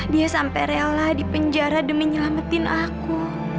dia sampe rela dipenjara demi nyelamatin aku